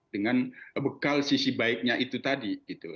dengan bekal sisi baiknya itu tadi